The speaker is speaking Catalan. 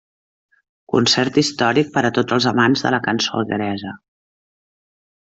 Concert històric per a tots els amants de la cançó Algueresa.